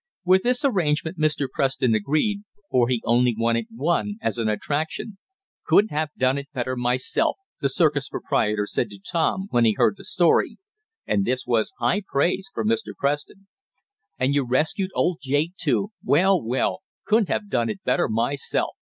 With this arrangement Mr. Preston agreed, for he only wanted one as an attraction. "Couldn't have done it better myself!" the circus proprietor said to Tom when he heard the story, and this was high praise from Mr. Preston. "And you rescued old Jake, too! Well, well! Couldn't have done it better myself!